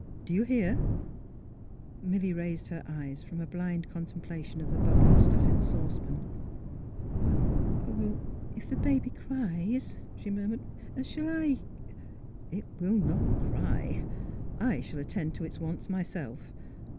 Do you hear? " Milly raised her eyes from a blind contempla tion of the bubbling stuff in the saucepan. " If — the baby cries," she murmured, " shall I ?"'' It will not cry. I shall attend to its wants myself.